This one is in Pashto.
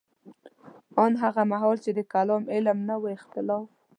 ان هغه مهال چې د کلام علم نه و اختلاف وو.